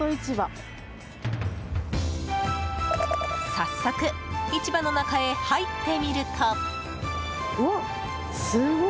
早速、市場の中へ入ってみると。